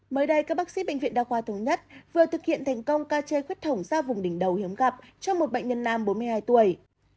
mới đây các bác sĩ bệnh viện đa khoa thống nhất vừa thực hiện thành công ca chơi khuết thổng ra vùng đỉnh đầu hiếm gặp cho một bệnh nhân nam bốn mươi hai tuổi